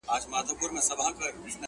په يوازي ځان قلا ته ور روان سو؛